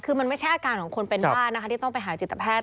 คือมันไม่ใช่อาการของคนเป็นบ้านนะคะที่ต้องไปหาจิตแพทย์